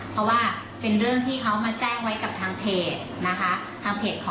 เพราะว่าเป็นเรื่องที่เขามาแจ้งไว้กับทางเพจนะคะทางเพจของ